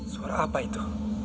suara apa itu